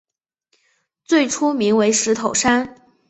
最初名为石头山。